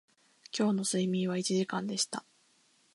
今日の睡眠は一時間でした